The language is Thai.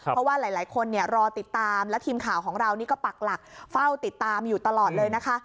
เพราะว่าหลายคนรอติดตามและทีมข่าวของเรานี่ก็ปักหลักเฝ้าติดตามอยู่ตลอดเลยนะคะ